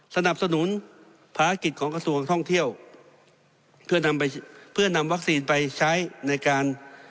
สนับสนุนภารกิจของกระทรวงท่องเที่ยวเพื่อนำไปเพื่อนำวัคซีนไปใช้ในการ